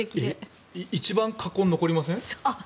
一番禍根が残りません？